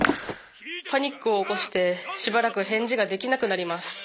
パニックを起こしてしばらく返事ができなくなります。